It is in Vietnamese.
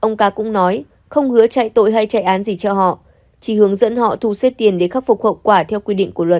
ông ca cũng nói không hứa chạy tội hay chạy án gì cho họ chỉ hướng dẫn họ thu xếp tiền để khắc phục hậu quả theo quy định của luật